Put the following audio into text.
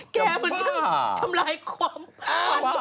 แกเหมือนจะทำลายความความคิดแม่